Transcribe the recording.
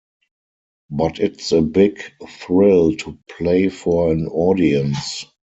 But it's a big thrill to play for an audience.